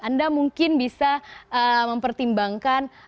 anda mungkin bisa mempertimbangkan